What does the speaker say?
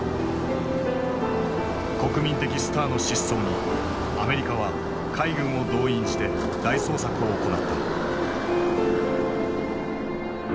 国民的スターの失踪にアメリカは海軍を動員して大捜索を行った。